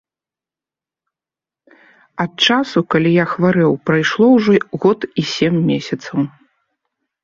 Ад часу, калі я хварэў, прайшло ўжо год і сем месяцаў.